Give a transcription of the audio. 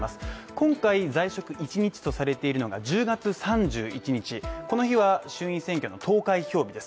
今回在職１日とされているのが１０月３１日、この日は衆院選挙の投開票日です。